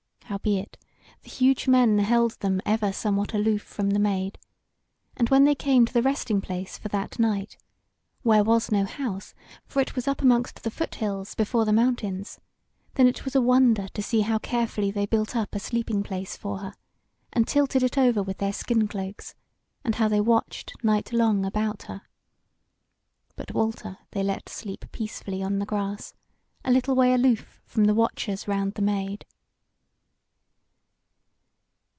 Howbeit, the huge men held them ever somewhat aloof from the Maid; and when they came to the resting place for that night, where was no house, for it was up amongst the foot hills before the mountains, then it was a wonder to see how carefully they built up a sleeping place for her, and tilted it over with their skin cloaks, and how they watched nightlong about her. But Walter they let sleep peacefully on the grass, a little way aloof from the watchers round the Maid.